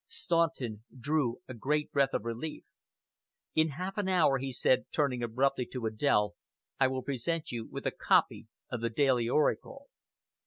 Staunton drew a great breath of relief. "In half an hour," he said, turning abruptly to Adèle, "I will present you with a copy of the Daily Oracle."